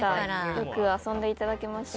よく遊んでいただきました。